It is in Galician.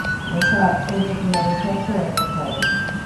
No Sar, outro final incerto e apertado.